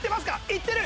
いってる！